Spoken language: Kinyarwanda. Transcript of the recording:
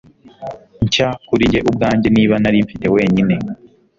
Nshya kuri njye ubwanjye Niba narimfite wenyine